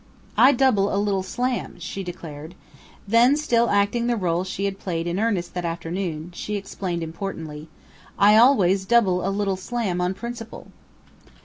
"I double a little slam!" she declared. Then, still acting the role she had played in earnest that afternoon, she explained importantly: "I always double a little slam on principle!"